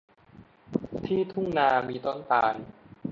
ที่ทุ่งนามีต้นตาล